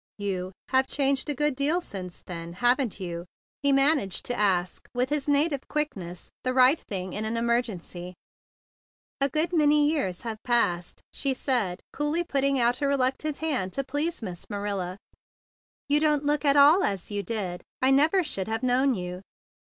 "You—have changed a good deal since then, haven't you?" he managed to ask with his native quickness to say the right tiling in an emergency. "A good many years have passed," she said, coolly putting out a reluctant hand to please Miss Marilla. "You THE BIG BLUE SOLDIER 47 don't look at all as you did. I never should have known you."